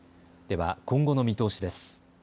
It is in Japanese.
では今後の見通しです。